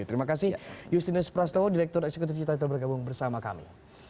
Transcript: terima kasih justyne prastowo direktur eksekutif citadel bergabung bersama kami